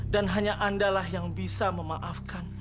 dan hanya andalah yang bisa memaafkan